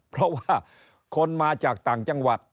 เพราะว่าคนมาจากต่างจังหวัด